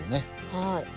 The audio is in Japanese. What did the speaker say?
はい。